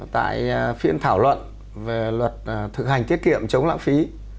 tại phiên thảo luận về luật thực hành tiết kiệm chống lãng phí